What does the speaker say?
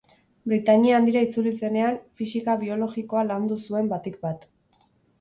Britainia Handira itzuli zenean, fisika biologikoa landu zuen batik bat.